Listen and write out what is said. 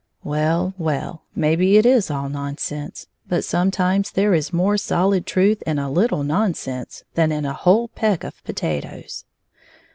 Well, well, maybe it is all nonsense, but sometimes there is more solid truth in a little non sense than in a whole peck of potatoes.